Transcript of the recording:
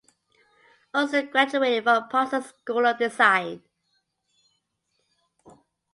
Huston graduated from Parsons School of Design.